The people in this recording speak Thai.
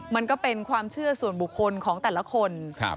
มันก็เป็นความเชื่อส่วนบุคคลของแต่ละคน